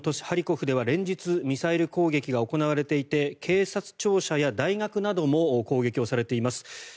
ハリコフでは連日、ミサイル攻撃が行われていて警察庁舎や大学なども攻撃をされています。